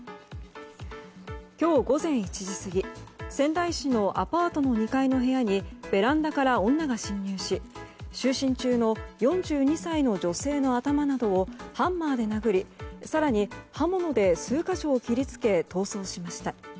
今日午前１時過ぎ仙台市のアパートの２階の部屋にベランダから女が侵入し就寝中の４２歳の女性の頭などをハンマーで殴り更に刃物で数か所を切りつけ逃走しました。